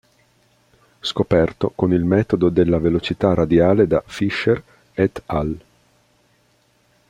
Scoperto con il metodo della velocità radiale da Fischer "et al.